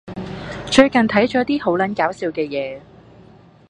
最近睇咗啲好撚搞笑嘅嘢